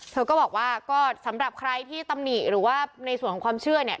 เธอก็บอกว่าก็สำหรับใครที่ตำหนิหรือว่าในส่วนของความเชื่อเนี่ย